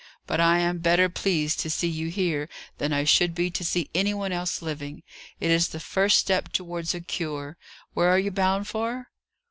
"But I am better pleased to see you here, than I should be to see any one else living. It is the first step towards a cure. Where are you bound for?"